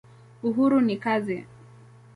Uhuru ni kazi.